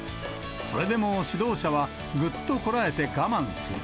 それでも指導者は、ぐっとこらえて、我慢する。